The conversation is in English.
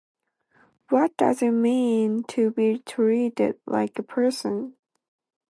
What does it mean to be treated like a person?